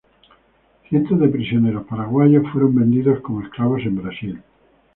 Cientos de prisioneros paraguayos fueron vendidos como esclavos en Brasil.